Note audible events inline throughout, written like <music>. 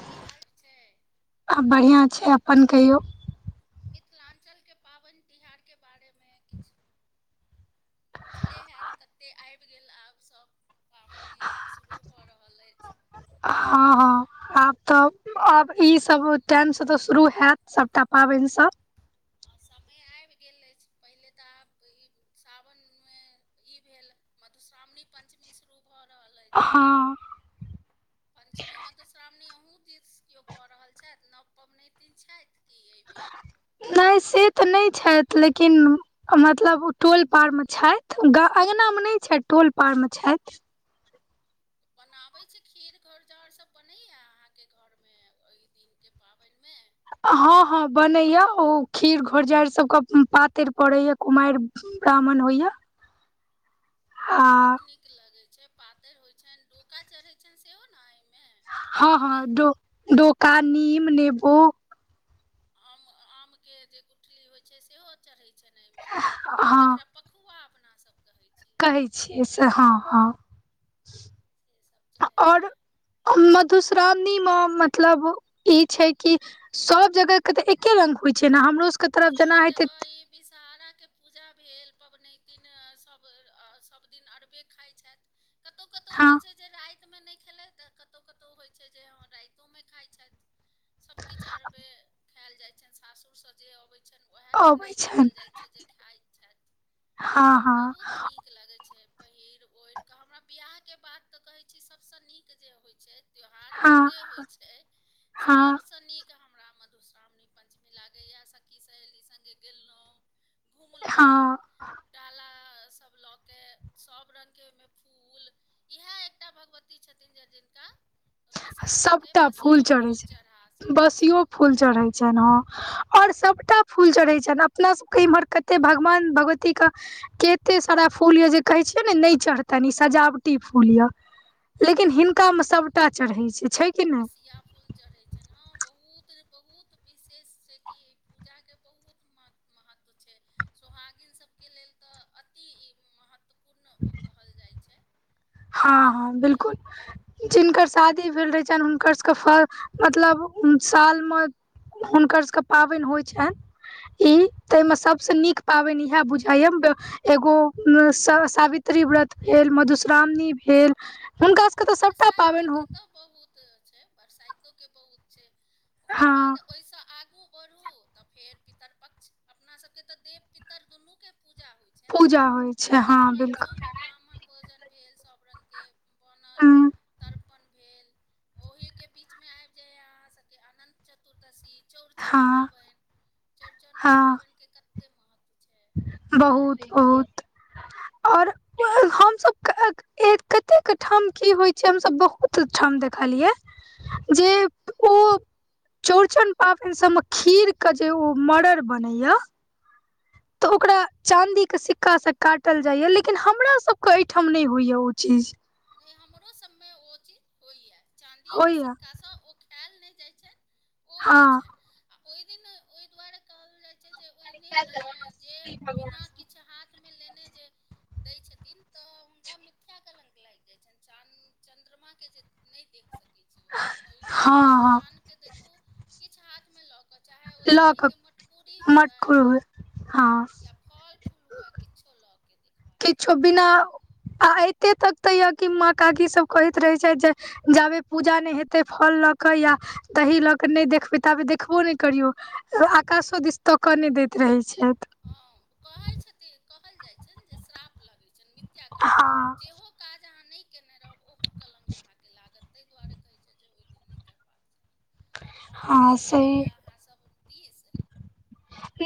की हाल छै? अ बढ़िया छै अपन कहियौ? मिथिलांचल के पाबैन तिहारके बारे मे किछ बुझले हैत कते आएब गेल आब सब पाबैन तिहार शुरू भऽ रहल ऐछ। हां-हां। आब तब आब ई सब टाइम से तै शुरू हैत सबटा पाबैन सब? अ समय आएब गेल ऐछ, पहिले तऽ आब ई साबन मे ई भेल मधुश्रामणी, पंचमी शुरू भऽ रहल ऐछ। हँ पंचमी, मधुश्रामणी अहूँ दिस कियो कऽ रहल छैथ नव पबनैतिन छैथ। की ऐ बेेर? नै से तऽ नै छैथ लेकिन मतलब ओ टोल पार मे छैथ। गा-अँगना में नैय छैइथ, टोल पार में छैथ। बनाबै छी खीर घौरजाउर सब, बनैया अहाँके घर में ओहि दिन के पाबैन में? हँ-हँ बनैयैऽ, ओ खीर घोरजाइड़ सबके पातैर पड़ैयैऽ, कुमाइर ब्राह्मण होइयैऽ। बहुत नीक लगै छै, पातैर होइ छैन, डोका चरहै छैन सेहो न अइ म हँ-हँ, डो-डोका, नीम, नेबो। आम-आम के जे गुठली होइ छै, सेहो चरहै छेनाइ में, हँ पक-प-जेकरा पखुवा अपना सब कहै छियै कहै छियै से, हँ-हँ, से सब और चढ़ैये मधुश्रामणी म मतलब ई छै कि सब जगह के तऽ एके रंग होइ छै न? हमरो सबके तरफ जेना होइत हे बिषहारा के पूजा भेल, पबनैतिन सब सब दिन अरबे खाइ छाइथ। कतौ कतौ हँ होइ छै जे राइ त में नैय खेलैथ, त कतौ कतौ होइ छै जे हॅं राइतो में खाइ छाइथ। सब किछ अरबे खैऽल जाइ छैन, सासुर सँ जे अबै छैन ओहैऽ अबै खेनाइ छनि कहल जाइ छै जे खाइ छाइथ। हँ। हँ बहुत नीक लगै छै। पहिर ओइड़्ह कऽ, हमरा बियाह के बात तऽ कहै छी सब स नीक जे होइ छै त्योहार हँ जते होइ छै, हँ सब स नीक हमरा मध् धुश्रामणी पंचमी लागै यैऽ, सखी सहेली संगे गेलौं, घुमलो हँ। डाला सब लऽ के, सब रंग के ओई में फूल इहै एकटा भगवती छथिन जे जिनका विषहारा के सबटा बसियो फूल चढ़ा सकै छी। फुल चरहै छैन, हॉं। और सभटा फूल चरहै छैन, अपना सबके इम्हर कते भगमान भगवती क केते सारा फूल यैऽ जे कहै छी जे नैय चरहैन ई सजाबती फूल यैऽ, लेकिन हिनका में सबटा चरहै छै, छै कि नहि बसिया फूल चरहै छैन, हँ बहुत बहुत विशेष छै कि पूजा के बहुत महत-महत्व छैय। सोहागिन सब के लेल तऽ अति ई महत्वपूर्ण अ-कहल जाइ छै। <unintelligible> हँ-हँ ईके बिलकुल। जिनकर शादी भेल रहै छैन, हुनकर सबके फऽ-मतलब साल म हुनकर सबके पाबैन होइ छाइन? ई तैइ में सब स नीक पाबैन इहैऽ बुझाइ यैऽ, बे एगो स-सावित्री व्रत भेल, मधुस् श्रामणी भेल, हुनका सबके तऽ सबटा बरसाइतो पाबैन के हो तऽ बहुत छै, बरसाइतो के बहुत छै, ओकर हँ बाद ओइ स आगू बर् हु तऽ फेर पितरपक्ष, अपना सबके तऽ देव-पितर दुनू के पूजा होइ छै न, पूजा होइ छै हँ पितरपक्षो बिल्कुल में ब्राह्मण भोजन भेल सब रंग के बनल, तर्पण भेल। ओही के बीच में आइब जाय यैऽ अहाँ सबके अनंत चतुर्दशी, चौड़चन हँ पाबैन, चौड़चनो पाबनि के कत्ते महत्व छै। बहुत-बहुत, और हमसब क एक कतेक ठाम की होइ छै, हम सब बहुत ठाम देखलियै जे <unintelligible> चौरचन पाबनि सब म खीर क जे ओ मड़ड़ बनैये त ओकरा चाँदी क सिक्का सँ काटल जाइये, लेकिन हमरा सब क ओइठां नै होइये ओ चीज। नै हमरो सब में ओ चीज होइये चाँदीये क होइया सिक्का सँ ओ पेएल नै जाइ छै ओ होइ हँ छनि। आ ओइ दिन ओइ दुवारे कहल जाइ छै जे ओइ <inaudible> बिना किछ हाथ मे लेने जे दै छथिन, तऽ हुनका मिथ्या कलंक लागि जाइ छनि, चान - चन्द्रमा के जे नै देख सकै छी ओइ दिन ओइ दिन हँ चन- हँ चान के देखू, किछ हाथ में लऽ कऽ चाहे ओ लऽ दही कऽ के मटकूरी हुवे मटकुर हुए हँ या फल-फूल हुवे, किछो लऽ कऽ देख किछो बिना आ एते तक तऽ यऽ कि मां, काकी सब कहैत रहै छथि जे जाबे पूजा नै हेतै फल लऽ कऽ या दही लऽ कऽ नै देखबै ताबे देखबो नै करियौ। आकाशो दिस तकऽ नै दैत रहै छथि। हॅं, कहै छथि, कहल जाइ छनि जे श्राप लगै छनि मिथ्या कलंक हँ जेहो काज अहाँ नै केने रहब ओहो कलंक अहाँके लागत, तै दुवारे कहै छै जे ओइ दिन नै करबाक और हँ तीजो होइये अहाँ सब दीस?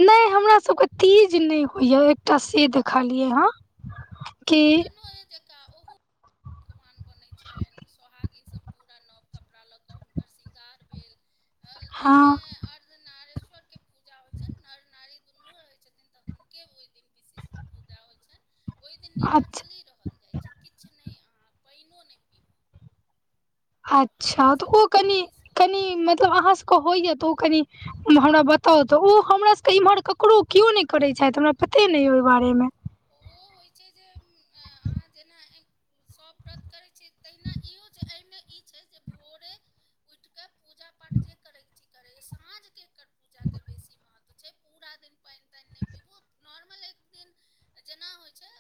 नै हमरा सबके तीज नै होइये एकटा से देखलियै हँ। कि चौड़चनोए जकाँ ओहू पकवान सब बनै छनि सोहागिन सब पूरा नव कपड़ा लऽ कऽ हुनकर श्रृंगार भेल। एहिमे हँ। अर्ध नारेश्वर के पूजा होइ छनि। नर-नारी दुनू रहै छथिन तऽ हुनके ओइ दिन विशिष्ट पुजा होइ छनि, ओइ दिन अच्छा निराजली रहल जाइ छै, किछ नै अहां पाइनो नै पिब अच्छा त सब ओ कनि, दिस होइया कनी मतलब अहाँ सके होइये त ओ कनि हमरा बताउ तऽ, ओ हमरा सके इमहर ककरो कियो नै करै छथि। हमरा पते नै अइ ओइ बारे मे। ओ होइ छै जे म अहाँ जेना आइ सब व्रत करै छी तहिना इहो छै। अइमे इ छै जे भोरे उइठ के पूजा-पाठ जे करै छी करैये साँझ के करू। पूजा के बेसी महत्व छै। पूरा दिन पाइन ताइन नै पीबू, नॉर्मल एक दिन त जेना होइ छै,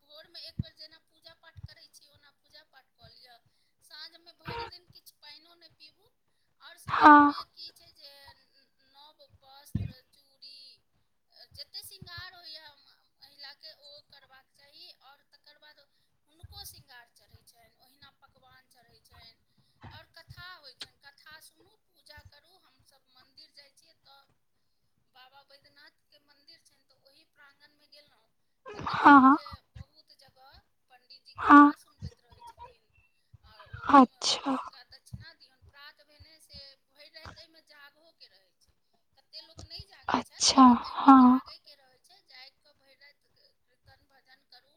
भोरमे एक बेर जेना पूजा-पाठ करै छी, ओना पूजा-पाठ कऽ लियऽ। साँझ मे भरि दिन किछ पाइनो नै पीबू और साँझ हँ मे कि छै जे नव वस्त्र, चूड़ी अ जते श्रृंगार होइया अ्म महिला के ओ करबाक चाही और तकर बादओ हुनको श्रृंगार चढ़ै छनि ओहिना पकवान चढ़ै छनि, और कथा होइ छनि कथा सुनू पूजा करू हमसब मन्दिर जाइ छियै एत बाबा बैद्यनाथ के मंदिर छनि तऽ ओहि प्रांगण मे गेललहु तऽ देखलौं हँ जे बहुत जगह पंडीतजी हँ कथा सुनबैत रहै छथिन आ ओहिमे अच्छा हुनका त दक्षिणा दियौन प्रात भेने से भरि राति अइमे जागहो के रहै छै। कते लोक नै जागै छथि अच्छा लेकिन अइमे हँ जागै के रहै छै जाइग क भैर राइत कीर्तन भजन करू,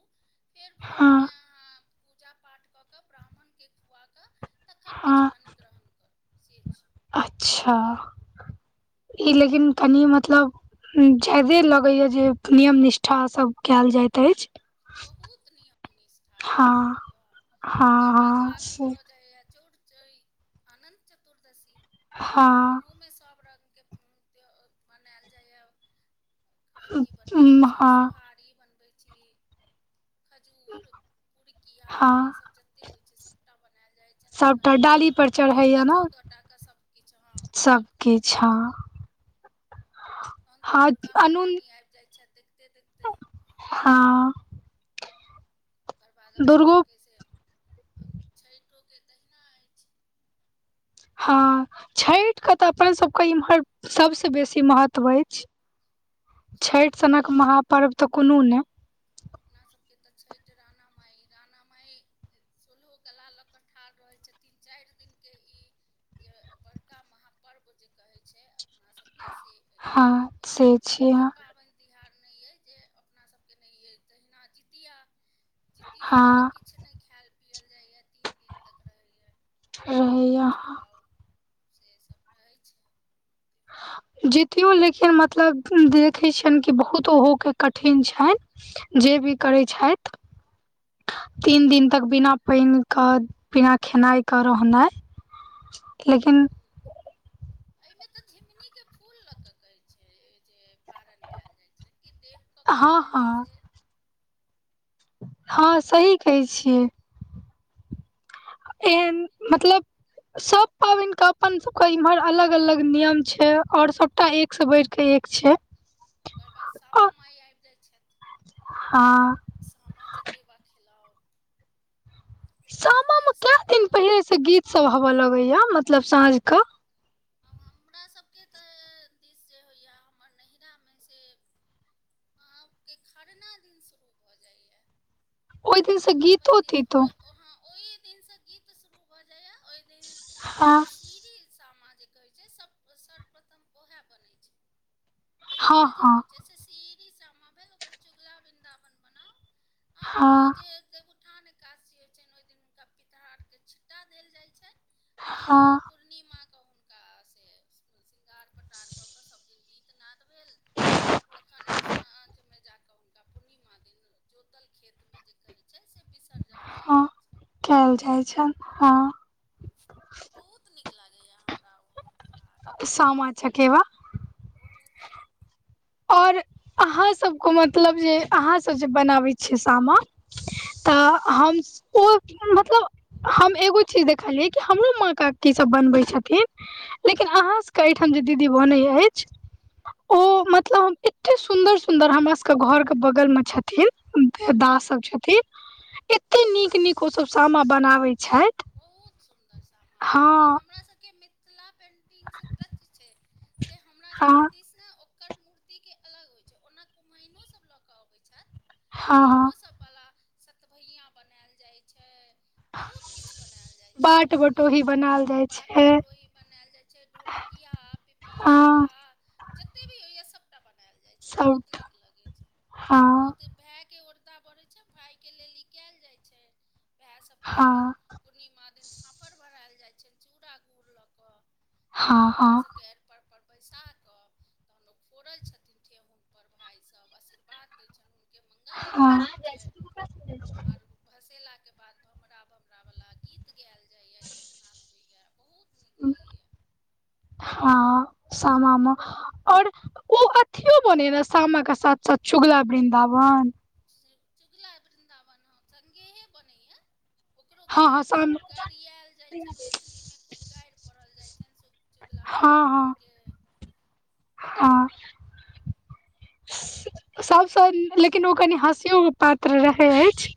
फेर हँ भोरमे अहाँ पूजा पाठ कऽ कऽ ब्राह्मण के खुआकऽ तखन हँ किछु अन्न ग्रहण करु से छै। अच्छा ई लेकिन कनि मतलब ज्यादे लगैया जे नियम निष्ठासभ कयल जाइत अइच। बहुत नियम निष्ठा अइ हँ मतलब <unintelligible> ओकर हँ बाद हँ आगू से भऽ जाइए चौरचैइन, अनंत चतुर्दशी। हँ ओहूमे सभ रंगके त्यौ मनायल जाइए। अथि बनबै उम्म छी हँ सोहारी बनबै छी। खजूर, पिड़िकिया ई हँ सब जते होइ छै सभटा बनायल जाय छै चन्द्र सबटा कला सभ डाली पर सभटा चढ़ैया चौदह ने -चौदह टा क सभकिछु हँ सब सभटा किछ चीज। हँ हन तऽ हँ दुर्गा अनून महारानी आइब जाइ छै, देखते देखते। हाँ ओकर बाद अपना दुर्गो सबके अइ से छठियोके तहिना अइच। हाँ छइट के तऽ अपन सभके इम्हर सभसँ बेसी महत्व अइच। छठिके छैठ सनक महापर्व तऽ कोनो नै। अपना सबके तऽ छठि राना माइ राना माइ शोल्हो कला लऽ क ठाढ़ रहै छथिन चारि दिनके ई जे बड़का महापर्व जे कहै छै? अपना सबके से अइ, हँ एहन से कोनो छियै पाबन तिहार नहि अइ जे अपना सभके नहि अइ तहिना जतिया जीतियोमे तऽ हँ किछु नहि खायल पियल जाइया तीन दिन तक रहैए। मड़ुआ रहैया माछ खाउ, सेसभ रहै छै। जीतियो लेकिन मतलब देखैत छैन कि बहुत ओहोके कठिन छैन। जे भी करै छैठ, तीन दिन तक बिना पाइन क बिना खेनाइके रहनाइ बहुत लेकिन बहुत एहिमे तऽ झिंगुनीके फूल लऽ कऽ कहैत छै जे पारण कयल जाइत छै कि देव पकायल हँ जाइ छै से हां सही कहै छियै। एहेन मतलब सब पाबनि के अपन सब के इम्हर अलग अलग नियम छै, और सबटा एक एक स बढ़िकऽ एक छै। ओकर बाद शामा माइ आबि जाइत छथि। हां सामा चकेबा खेलाउ। तहन सामा मे रवि कए शनि दिन पहिनेे पाबनि से गीत सब होबय लगैया मतलब साँझ के? अ हमरा सभके तऽ दिस जे होइए हमर नहिरामे से आहांके खरना दिन शुरू भऽ जाइया, ओहि दिन खरना से पाबन गीतो दिनसँ ओ तीतो ओ हां ओहि दिनसँ गीत शुरू भऽ जाइए ओहि दिन आ हँ सीढ़ी सामाजिक कहै छै, सब सर्वप्रथम ओहैय बनै छै। हँ पहिल जे होइ हँ छै, से सीढ़ी सामा भेल ओकर चुगला वृंदावन बनाउ। आओर ओ हाँ देवउठान एकादसी होइ छनि ने ओहि दिन हुनका पितहर के छिट्टा देल जाइ छै। हाँ पूर्णिमाके हुनका से श्रृंगार पटार कऽ कऽ सब दिन गीत नद भेल, तखन साँझ मे जाके हुनका पूर्णिमा दिन जोतल खेतमे जे कहैत छै से विसर्जन कयल हँ जाइत छै। कयल जाइ छनि हँ। बहुत नीक लागैए हमरा ओहो त्यौहार सामा चकेवा। <unintelligible> ओर अहाँसभके मतलब जे अहाँसभ जे बनाबै छियै सामा। तऽ हम ओ मतलब हम एगो चीज देखलियै कि हमरो माँ क की सब बनबै छथिन लेकिन अहाँ सबके एहिठाम जे दीदी बनै अछि। ओ मतलब <inaudible> एते सुन्दर सुन्दर हमरा सबके घर के बगल में छथिन भेदास सब छथिन। एते नीक नीक ओसभ सामा बनाबैत छथि। बहुत सुन्दर सामा हँ बनैत छै हमरा सबके मि मिथिला पेटिंग से टच छै से हमरा हँ। कृष्णा ओकर मूर्तिके अलग होइत छै ओना कुमइनो सभ लऽ कऽ अबैत छथि। हँ हँ हुनकोसभवला सतभैया बनायल जाइत छै बहुत किछु बनायल जाइ छै ओहो फोटो ही बनायल जाइ पाट छै बटोही बनायल जाइ छै ढोलकिया हँ पिपीहीवला जतेक भी होइएा सभटा बनैल जाइत छै बहुत सबटा नीक लगैत छै हँ बहुत भाय के ओरदा बढ़ैत छै भायके लेल ई कयल जाइत छै भाय सभके ओहि दिन हँ पूर्णिमा दिन फापड़ भरायल जाइ छनि चूड़ा गुड़ लऽ कऽ तहन हँ हुनका हँ सभके अर्पण बैसाकऽ तहन ओ फोड़य छथिन ठेहुन पर भाई सब आशीर्वाद दै छैन। के मंगल कामना होइ छै हँ आर भसेला के बाद भमरा भमरावालला गीत गाायल जाइए गीतनाद होइए बहुत नीक लगैया। हँ सामा मे और ओ कथि मे बने रहा सामा के साथ सऽ चुगला वृंदावन चुगला वृन्दावन ह संगे हे बनैया। ओकरो हँ गा हँ साम गारियाल जाइत छै मैथिलीमे खूब गारि पढ़ल जाइत छनि। चुगला वृन्दावनके ह। सबसँ लेकिन ओ कनि हँसियो पात्र रहै अछि।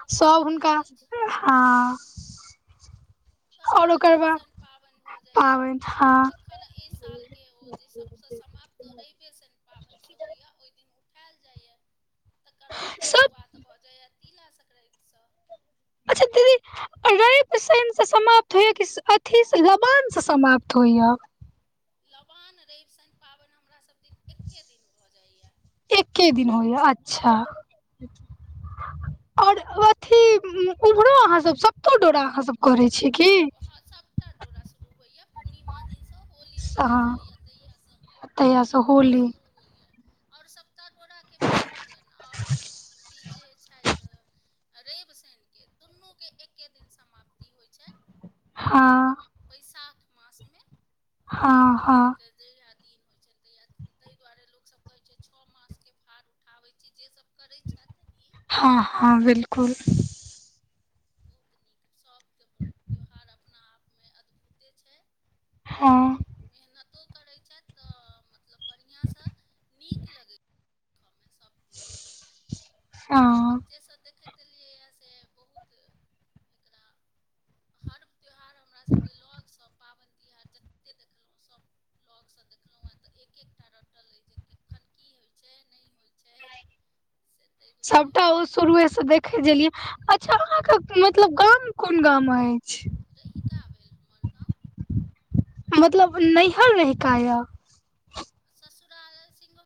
बहुत सब रहैत हुनका अछि हँ। ओकर बाद रैब शैन पाबनि भऽ जाइएा पाबनि हँ अखन ई साल के ओ जे सबसँ समाप्त रवे शनि पाबनि से होइया ओहि दिन उठाायल जाइया तकर बाद सब शुरुआत भऽ जाइया तिलाासङ्क्रान्तिसँ। अच्छा दीत रवि शैनसँ समाप्त होइया कि अथी लबानसँ समाप्त होइएा लबान रवि शनि पाबनि हमरासभ दिन एक्े दिन भऽ जाइए। एक्े दिन होया अच्छा। आओर अथि उमहरो अहाँ सब सपतो डोराह कर छी कि हाँ सपता डोरा शुरू होइए पूर्णिमा दिनसँ होली जहियासँ होइए तहियासँ। तहिससँ सभटा डोरा होली शुरू होइए आओर सप्ता डोराके विसर्जन आओर इ जे छैथ आ रइव शइनके दुनूके एक्के दिन समाप्ति होइ छैन। अहाँके हँ बैशाख मासमे हुनकर हँ उ हँ होइके जहिया दिन होइ छैन तहिया। तय दुआरे लोकसभ कहै छैय छ मासके भार उठाबै छी जे सभ करै छैथ ई। हँ- हँ बिलकुल। बहुत नीक सभके त्यौहार अपना आपमे अद्भुते छैय। हँ। मेहनतो करै छथि त मतलब बढ़ियां स नीक लगै कमे सब दिन। हमसभ हँ बच्चे स देखैत एलियैए से बहुत एकरा हर त्यौहार हमरासभके लग स पाबैन तिहार जते देखलौं सभ लग स देखलौंएँ त एक एकटा रटल अय जे कखन की होइ छैय नै होय छैय। छैय से ताहि दुआरे सबटा शुरुए से देखै छलियै अच्छा अहाँके मतलब गाम कोन गाम अइछ। रहिका भेल हमर गाँव। मतलब नैहल रहिका यऽ। ससुराल सिघ